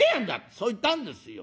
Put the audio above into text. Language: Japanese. そう言ったんですよ。